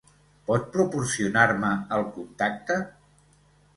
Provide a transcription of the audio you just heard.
Pot proporcionar-me el contacte?